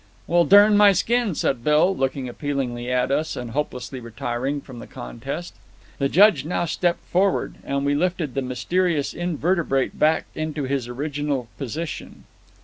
"Well, dern my skin," said Bill, looking appealingly at us, and hopelessly retiring from the contest. The Judge now stepped forward, and we lifted the mysterious invertebrate back into his original position.